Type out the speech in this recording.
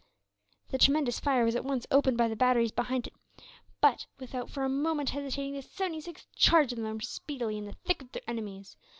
A tremendous fire was at once opened by the batteries behind it but, without for a moment hesitating, the 76th charged them, and were speedily in the thick of their enemies.